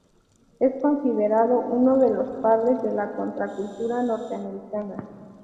Es considerado uno de los "padres" de la Contracultura norteamericana.